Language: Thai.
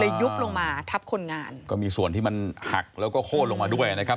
ยุบลงมาทับคนงานก็มีส่วนที่มันหักแล้วก็โค้นลงมาด้วยนะครับ